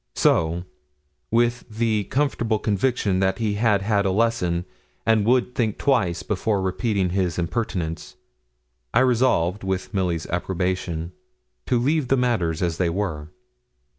So, with the comfortable conviction that he had had a lesson, and would think twice before repeating his impertinence, I resolved, with Milly's approbation, to leave matters as they were.